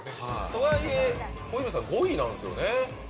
とはいえ小泉さん５位なんですよね。